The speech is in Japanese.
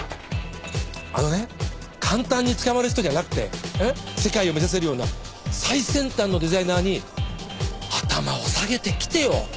あのね簡単につかまる人じゃなくて世界を目指せるような最先端のデザイナーに頭を下げてきてよ。